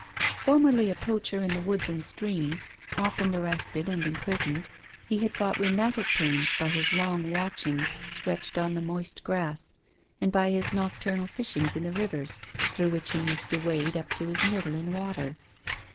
Formerly a poacher in the woods and streams, often arrested and imprisoned, he had got rheumatic pains by his long watchings stretched on the moist grass and by his nocturnal fishings in the rivers, through which he used to wade up to his middle in water.